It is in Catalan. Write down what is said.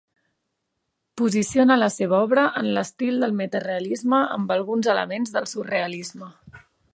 Posiciona la seva obra en l'estil del metarealisme amb alguns elements del surrealisme.